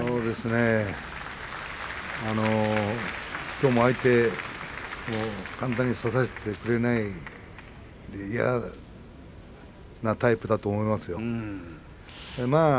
きょうも相手は簡単に差させてくれない嫌なタイプだと思います。